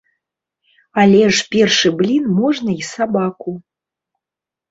Але ж першы блін можна і сабаку.